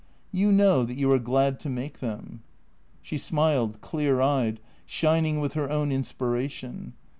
" You know that you are glad to make them." She smiled, clear eyed, shining with her own inspiration.